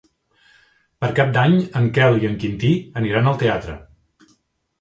Per Cap d'Any en Quel i en Quintí aniran al teatre.